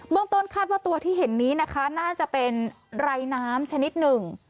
เมืองต้นคาดว่าตัวที่เห็นนี้นะคะน่าจะเป็นไรน้ำชนิดหนึ่ง